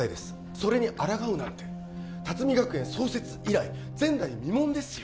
それにあらがうなんて龍海学園創設以来前代未聞ですよ